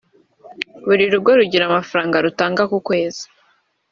Buri rugo rugira amafaranga rutanga ku kwezi